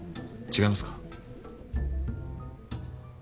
違いますか？